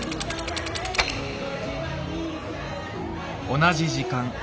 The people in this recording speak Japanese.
同じ時間。